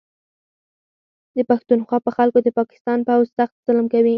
د پښتونخوا په خلکو د پاکستان پوځ سخت ظلم کوي